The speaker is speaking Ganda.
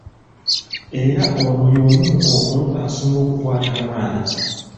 Era ono y'omu ku kookolo asinga okukwata abaana.